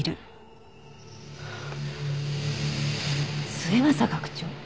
末政学長！？